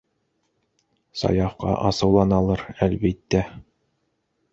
Саяфҡа асыуланалыр, әлбиттә.